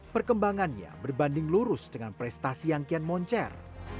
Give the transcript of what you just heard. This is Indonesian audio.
perkembangannya berbanding lurus dengan prestasi yang kian moncer